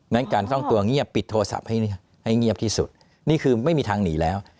นั้นการซ่อนตัวเงียบปิดโทรศัพท์ให้เงียบที่สุดนี่คือไม่มีทางหนีแล้ว